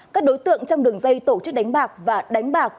các đối tượng trong đường dây tổ chức đánh bạc và đánh bạc